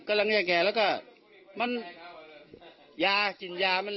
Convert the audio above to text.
ก็เลยไม่แกะ